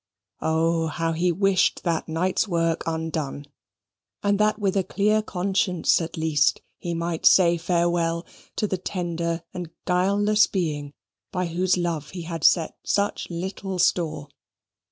Oh, how he wished that night's work undone! and that with a clear conscience at least he might say farewell to the tender and guileless being by whose love he had set such little store!